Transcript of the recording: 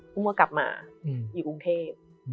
พึ่งว่ากลับมาอยู่กรุงเทพฯ